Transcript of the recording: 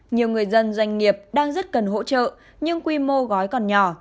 nhiều người dân doanh nghiệp đang rất cần hỗ trợ nhưng quy mô gói còn nhỏ